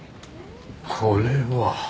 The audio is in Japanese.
これは。